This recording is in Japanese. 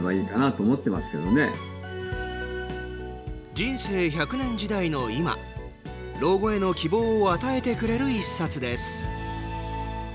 人生１００年時代の今老後への希望を与えてくれる１冊です。